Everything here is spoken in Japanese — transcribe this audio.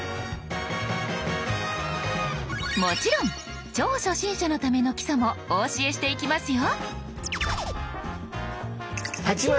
もちろん超初心者のための基礎もお教えしていきますよ。